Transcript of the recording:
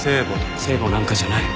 聖母なんかじゃない。